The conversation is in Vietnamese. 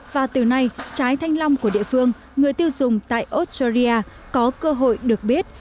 và từ nay trái thanh long của địa phương người tiêu dùng tại australia có cơ hội được biết